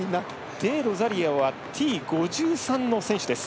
デロザリオはＴ５３の選手です。